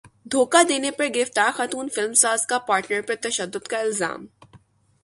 دھوکا دینے پر گرفتار خاتون فلم ساز کا پارٹنر پر تشدد کا الزام